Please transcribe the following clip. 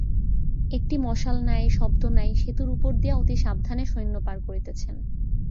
একটি মশাল নাই, শব্দ নাই, সেতুর উপর দিয়া অতিসাবধানে সৈন্য পার করিতেছেন।